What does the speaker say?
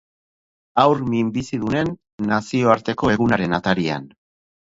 Haur minbizidunen nazioarteko egunaren atarian.